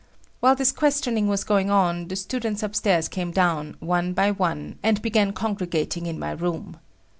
While this questioning was going on, the students upstairs came down, one by one, and began congregating in my room.